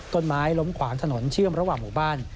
ต้นไม้ล้มขวางถนนเชื่อมระหว่างหมู่บ้าน